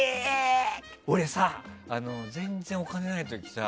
俺さ、全然お金ない時さ